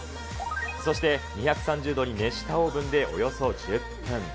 そして２３０度に熱したオーブンでおよそ１０分。